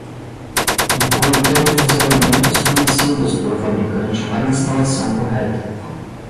Inclui todos os elementos fornecidos pelo fabricante para a instalação correta.